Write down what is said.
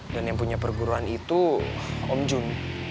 dan yang punya perguruan itu om jun